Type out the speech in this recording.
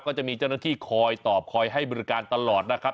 ก็จะมีเจ้าหน้าที่คอยตอบคอยให้บริการตลอดนะครับ